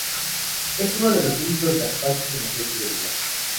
Es uno de los únicos gazpachos sin aceite de oliva.